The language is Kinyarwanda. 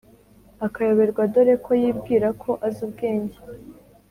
akayoberwa dore ko yibwira ko azi ubwenge”!